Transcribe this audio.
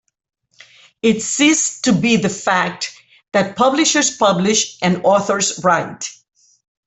It ceased to be the fact that publishers publish and authors write.